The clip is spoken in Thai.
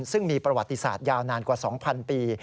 ซึ่งมีประวัติศาสตร์ยาวนานกว่า๒๐๐ปี